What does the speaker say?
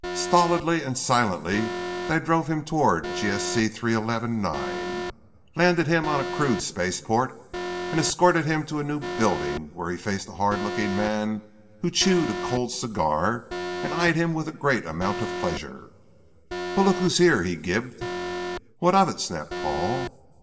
Stolidly and silently they drove him toward G.S.C. 311; IX, landed him on a crude spaceport and escorted him to a new building where he faced a hard looking man who chewed a cold cigar and eyed him with a great amount of pleasure. "Well look who's here!" he gibed. "What of it," snapped Paul.